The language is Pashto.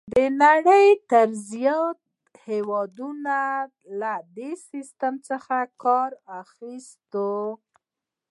د نړۍ زیاتره هېوادونه له دې سیسټم څخه کار اخلي.